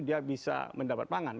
dia bisa mendapat pangan